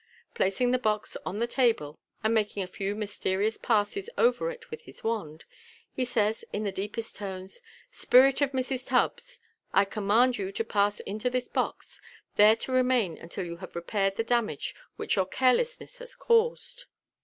Placing the box on the table, and making a few mysterious passes over it with his wand, he says, in his deepest tones, " Spirit of Mrs. Tubbs, T command you to pass into this box, there to remain until you have repaired the damage which your carelessness has caused."